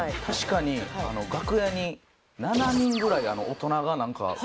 確かに楽屋に７人ぐらい大人がなんか。